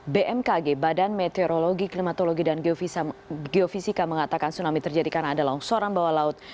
bmkg badan meteorologi klimatologi dan geofisika mengatakan tsunami terjadi karena ada longsoran bawah laut